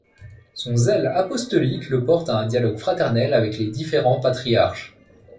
Son zèle apostolique le porte à un dialogue fraternel avec les différents patriarches.